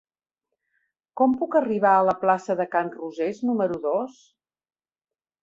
Com puc arribar a la plaça de Can Rosés número dos?